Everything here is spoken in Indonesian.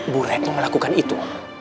bu retno melakukan itu